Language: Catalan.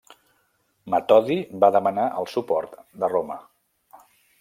Metodi va demanar el suport de Roma.